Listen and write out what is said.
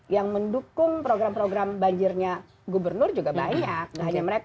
yang mendukung program program banjirnya gubernur juga banyak